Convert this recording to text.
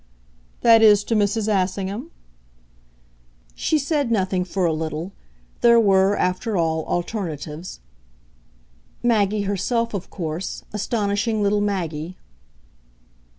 "That is to Mrs. Assingham?" She said nothing for a little there were, after all, alternatives. "Maggie herself of course astonishing little Maggie."